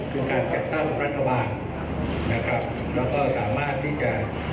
คือการจัดตั้งรัฐบาลนะครับแล้วก็สามารถที่จะ